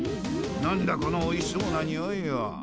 何だこのおいしそうなにおいは。